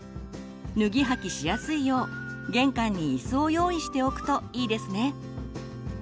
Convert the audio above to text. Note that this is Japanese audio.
脱ぎ履きしやすいよう玄関にいすを用意しておくといいですね。